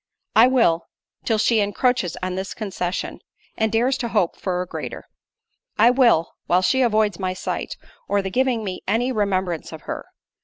"I will, till she encroaches on this concession, and dares to hope for a greater. I will, while she avoids my sight, or the giving me any remembrance of her.